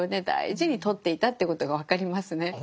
大事に取っていたということが分かりますね。